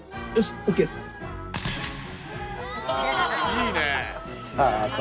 いいね！